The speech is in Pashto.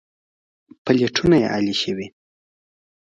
پلېټونه يې الېشوي.